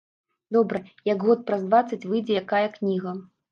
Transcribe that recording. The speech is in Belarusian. Добра, як год праз дваццаць выйдзе якая кніга.